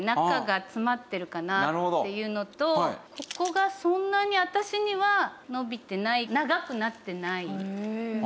中が詰まってるかなっていうのとここがそんなに私には伸びてない長くなってない。